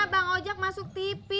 bang ojak masuk tv